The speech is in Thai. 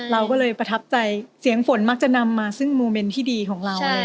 เราก็เลยประทับใจเสียงฝนมักจะนำมาซึ่งโมเมนต์ที่ดีของเรา